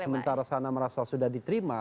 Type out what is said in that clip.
sementara sana merasa sudah diterima